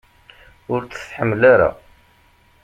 Ur t-tḥemmel ara.